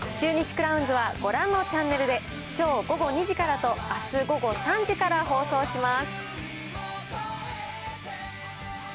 クラウンズはご覧のチャンネルで、きょう午後２時からと、あす午後３時から放送します。